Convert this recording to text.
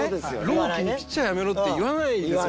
朗希に「ピッチャーやめろ」って言わないですよね。